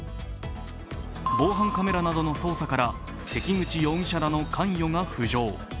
防犯カメラなどの捜査から関口容疑者らの関与が浮上。